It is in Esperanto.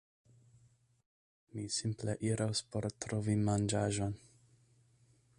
Do, mi simple iros por trovi manĝaĵon